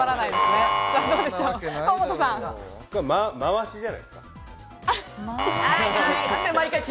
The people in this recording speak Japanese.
まわしじゃないですか？